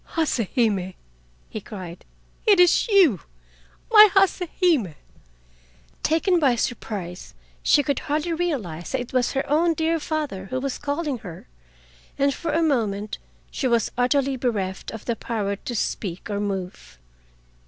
"Hase Hime!" he cried, "it is you, my Hase Hime!" Taken by surprise, she could hardly realize that it was her own dear father who was calling her, and for a moment she was utterly bereft of the power to speak or move.